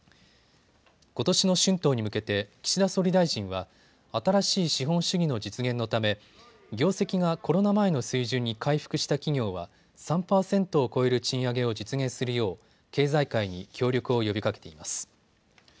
ことしの春闘に向けて岸田総理大臣は新しい資本主義の実現のため業績がコロナ前の水準に回復した企業は３％を超える賃上げを実現するよう経済界に協力を呼びかけています。